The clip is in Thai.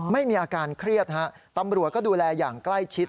ไม่มีอาการเครียดฮะตำรวจก็ดูแลอย่างใกล้ชิด